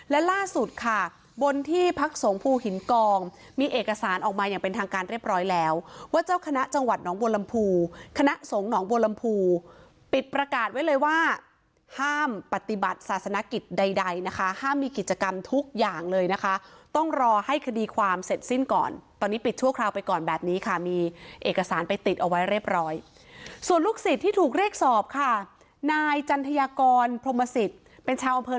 และล่าสุดค่ะบนที่พักสงภูหินกองมีเอกสารออกมาอย่างเป็นทางการเรียบร้อยแล้วว่าเจ้าคณะจังหวัดหนองโวลัมภูคณะสงภูหนองโวลัมภูปิดประกาศไว้เลยว่าห้ามปฏิบัติศาสนกิจใดนะคะห้ามมีกิจกรรมทุกอย่างเลยนะคะต้องรอให้คดีความเสร็จสิ้นก่อนตอนนี้ปิดทั่วคราวไปก่อนแบบนี้ค่ะมีเอกสารไปติดเอ